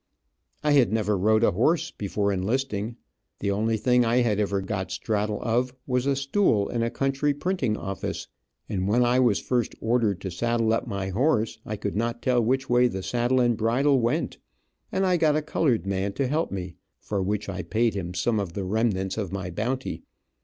I had never rode a horse, before enlisting. The only thing I had ever got straddle of was a stool in a country printing office, and when I was first ordered to saddle up my horse, I could not tell which way the saddle and bridle went, and I got a colored man to help me, for which I paid him some of the remains of my bounty.